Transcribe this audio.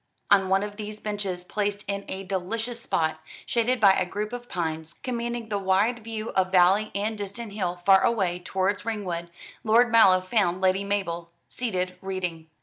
On one of these benches, placed in a delicious spot, shaded by a group of pines, commanding the wide view of valley and distant hill far away towards Ringwood, Lord Mallow found Lady Mabel seated reading.